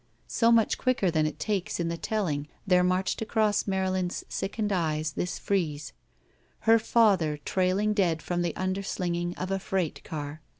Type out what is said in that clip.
So much quicker than it takes in the telling there marched across Marylin's sickened eyes this frieze: Her father trailing dead from the imderslinging of a freight car.